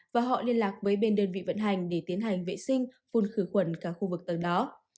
và họ liên lạc với bên đơn vị vận hành để tiến hành vệ sinh phun khử khuẩn cả khu vực tầng đó